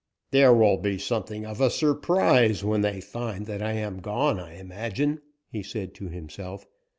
"There will be something of a surprise when they find that I am gone, I imagine," he said to himself.